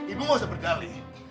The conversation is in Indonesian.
ibu gak usah bergali